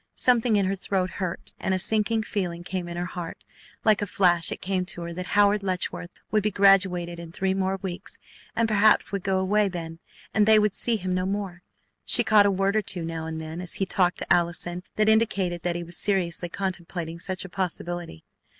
Something in her throat hurt, and a sinking feeling came in her heart. Like a flash it came to her that Howard Letchworth would be graduated in three more weeks, and perhaps would go away then and they would see him no more. She caught a word or two now and then as he talked to Allison that indicated that he was seriously contemplating such a possibility.